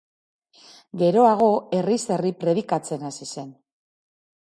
Geroago, herriz herri predikatzen hasi zen.